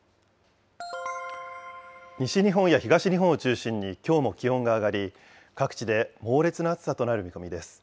西日本や東日本を中心に、きょうも気温が上がり、各地で猛烈な暑さとなる見込みです。